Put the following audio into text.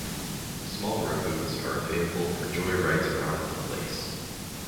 Small row boats are available for joy rides around the place.